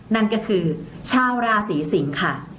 นั่นก็คือชาวราศีสิงค่ะ